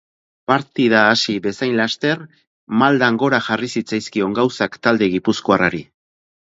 Partida hasi bezain laster maldan gora jarri zitzaizkion gauzak talde gipuzkoarrari.